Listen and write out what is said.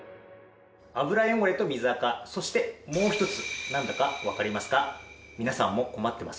油汚れと水あかそしてもう一つなんだかわかりますか？